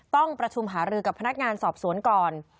ต้องประชุมหารือกับพนักงานสอบสวนก่อน